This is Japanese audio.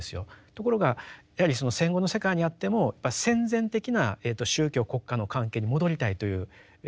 ところがやはりその戦後の世界にあってもやっぱり戦前的な宗教国家の関係に戻りたいという人がですね